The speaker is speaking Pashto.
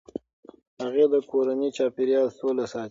هغې د کورني چاپیریال سوله ساتي.